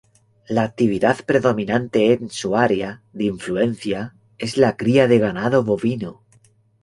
La actividad predominante en su área de influencia es la cría de ganado bovino.